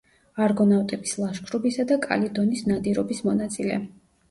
არგონავტების ლაშქრობისა და კალიდონის ნადირობის მონაწილე.